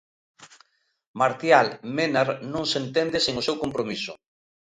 Martial Ménard non se entende sen o seu compromiso.